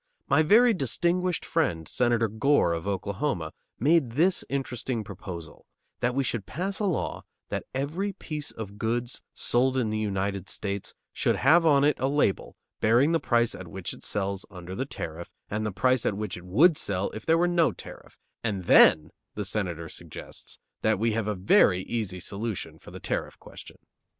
My very distinguished friend, Senator Gore, of Oklahoma, made this interesting proposal: that we should pass a law that every piece of goods sold in the United States should have on it a label bearing the price at which it sells under the tariff and the price at which it would sell if there were no tariff, and then the Senator suggests that we have a very easy solution for the tariff question.